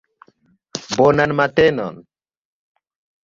Bonan matenon!